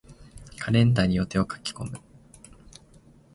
カレンダーに予定を書き込む。